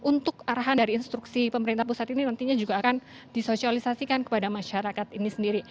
untuk arahan dari instruksi pemerintah pusat ini nantinya juga akan disosialisasikan kepada masyarakat ini sendiri